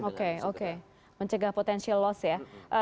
oke oke mencegah potential loss ya